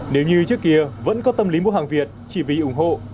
nếu như trước kia vẫn có tâm lý mua hàng việt chỉ vì ủng hộ